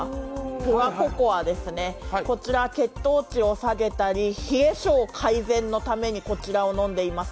ピュアココアですね、こちら血糖値を下げたり冷え症改善のためにこちらを飲んでいます。